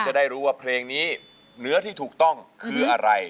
จะได้รู้ว่าเพลงนี้เหนือที่ถูกต้องคืออะไร